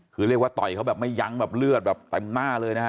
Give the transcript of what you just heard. คือเรียกว่าต่อยเขาแบบไม่ยั้งแบบเลือดแบบเต็มหน้าเลยนะฮะ